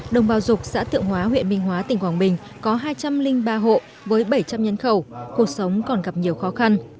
đồng bào dục xã thượng hóa huyện minh hóa tỉnh quảng bình có hai trăm linh ba hộ với bảy trăm linh nhân khẩu cuộc sống còn gặp nhiều khó khăn